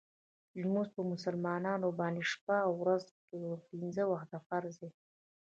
لمونځ په مسلمانانو باندې په شپه او ورځ کې پنځه وخته فرض دی .